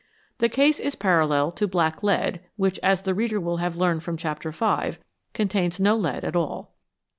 The case is parallel to " black lead," which, as the reader will have learned from chapter v., contains no lead at all.